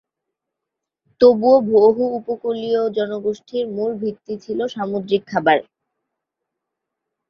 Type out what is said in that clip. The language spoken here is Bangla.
তবুও, বহু উপকূলীয় জনগোষ্ঠীর মূল ভিত্তি ছিল সামুদ্রিক খাবার।